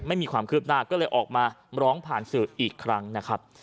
ไม่มีความคืบหน้าก็เลยออกมาร้องผ่านสื่ออีกครั้งนะครับ